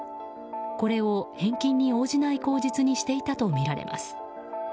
これを返金に応じない口実にしていたとみられます。